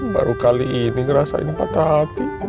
baru kali ini ngerasain patah hati